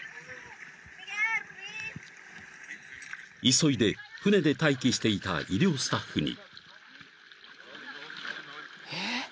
［急いで船で待機していた医療スタッフに］